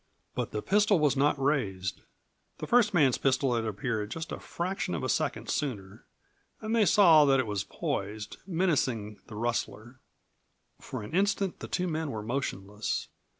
But the pistol was not raised. The first man's pistol had appeared just a fraction of a second sooner, and they saw that it was poised, menacing the rustler. For an instant the two men were motionless.